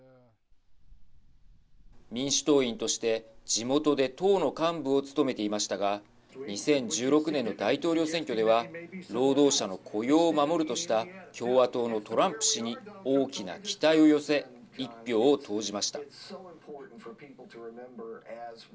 民主党員として地元で党の幹部を務めていましたが２０１６年の大統領選挙では労働者の雇用を守るとした共和党のトランプ氏に大きな期待を寄せ１票を投じました。